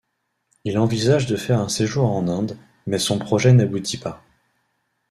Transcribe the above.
Il envisage de faire un séjour en Inde, mais son projet n'aboutit pas.